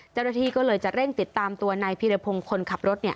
เจ้าหน้าที่ก็เลยจะเร่งติดตามตัวนายพีรพงศ์คนขับรถ